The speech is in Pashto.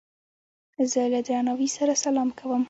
زه له درناوي سره سلام کوم.